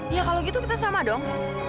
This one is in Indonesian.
ya kalau gitu kita sama dong